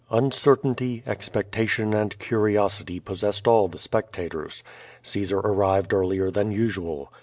Uncertainty, expectation, and curiosity possessed all the spectators. Caesar arrived earlier than usual.